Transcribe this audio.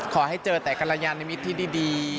ขอให้เจอแต่กรยานิมิตรที่ดี